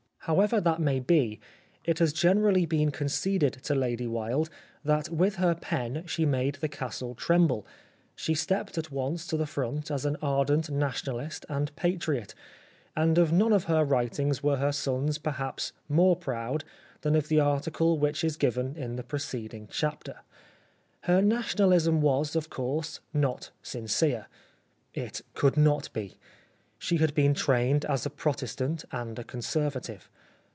However that may be, 63 The Life of Oscar Wilde it has generally been conceded to Lady Wilde that with her pen she made the Castle tremble : she stepped at once to the front as an ardent Nationalist and patriot ; and of none of her writings were her sons perhaps more proud than of the article which is given in the preceding chapter. Her Nationalism was, of course, not sincere. It could not be. She had been trained as a Protestant and a Conservative.